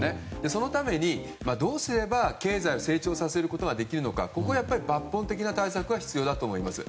そのために、どうすれば経済を成長させることができるのか。ここは抜本的な対策が必要だと思います。